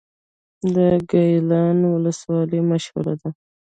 د ګیلان ولسوالۍ مشهوره ده